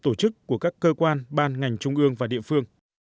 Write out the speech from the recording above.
tổ chức của các cơ quan ban ngành trung ương và địa phương